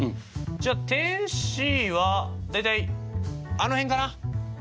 じゃあ点Ｃは大体あの辺かな？